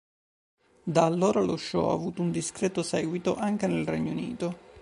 Da allora lo show ha avuto un discreto seguito anche nel Regno Unito.